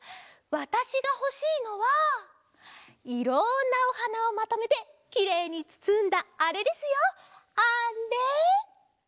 わたしがほしいのはいろんなおはなをまとめてきれいにつつんだあれですよあれ！